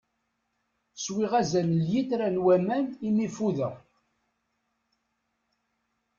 Swiɣ azal n lyitra n waman imi fudeɣ.